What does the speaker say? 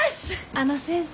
あの先生。